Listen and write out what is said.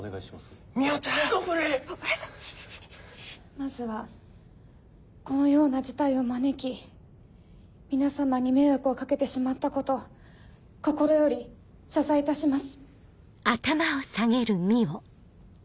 まずはこのような事態を招き皆様に迷惑を掛けてしまったこと心より謝罪いたします。